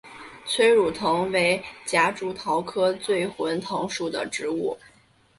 催乳藤为夹竹桃科醉魂藤属的植物。